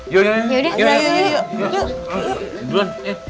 yuk yuk yuk